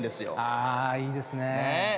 あいいですね。